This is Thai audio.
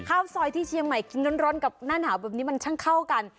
ข้าวซอยที่เชียงใหม่กินร้อนกับหน้าหนาวแบบนี้มันช่างเข้ากัน